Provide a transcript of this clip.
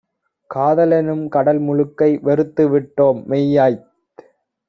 காதலெனும் கடல்முழுக்கை வெறுத்துவிட்டோ ம். மெய்யாய்த்